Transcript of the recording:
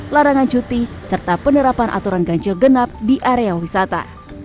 larangan cuti serta penerapan aturan ganjil genap di area wisata